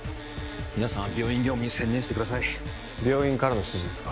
皆さんは病院業務に専念してください病院からの指示ですか？